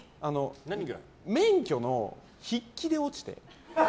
免許の筆記で落ちて。